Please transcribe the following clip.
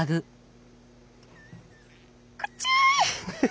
くちゃい！